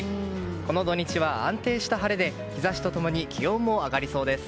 この土日は安定した晴れで日差しと共に気温も上がりそうです。